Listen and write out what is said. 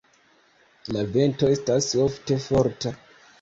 La vento estas ofte forta.